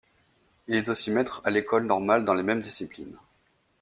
Il est aussi maître à l'école normale dans les mêmes disciplines.